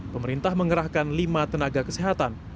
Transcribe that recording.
pemerintah mengerahkan lima tenaga kesehatan